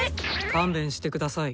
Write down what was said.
勘弁して下さい。